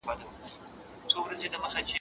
تاسو د کیلې په خوړلو بوخت یاست.